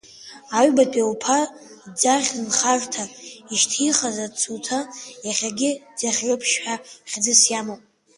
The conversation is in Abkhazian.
Аҩбатәи лҧа Ӡаӷь нхарҭа ишьҭихыз ацуҭа иахьагьы Ӡаӷьрыҧшь ҳәа хьӡыс иамоуп.